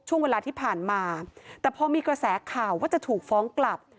ช่วงเวลาที่ผ่านมาแต่พอมีกระแสข่าวว่าจะถูกฟ้องกลับ